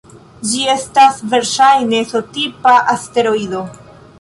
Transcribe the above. Ĝi estas verŝajne S-tipa asteroido.